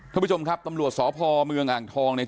ท่านผู้ชมครับตำรวจสพเมืองอ่างทองเนี่ย